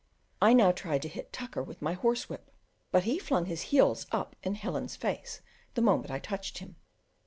I now tried to hit Tucker with my horse whip, but he flung his heels up in Helen's face the moment I touched him.